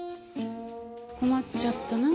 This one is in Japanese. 困っちゃったな。